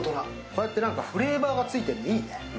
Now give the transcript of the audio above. こうやってフレーバーがついているのいいね。